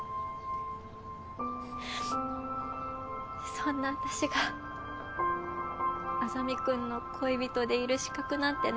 そんな私が莇君の恋人でいる資格なんてないなって。